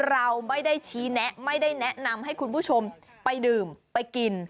เราไม่ได้ชี้แนะไม่ได้แนะนำให้คุณผู้ชมไปดื่มไปกิน